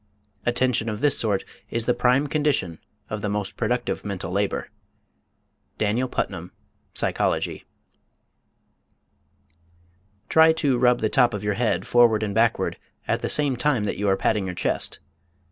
Attention of this sort is the prime condition of the most productive mental labor. DANIEL PUTNAM, Psychology. Try to rub the top of your head forward and backward at the same time that you are patting your chest.